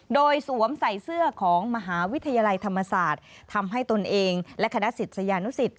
โดยสวมใส่เสื้อของมหาวิทยาลัยธรรมศาสตร์ทำให้ตนเองและคณะศิษยานุสิต